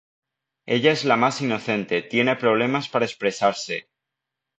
Ella es la más inocente tiene problemas para expresarse.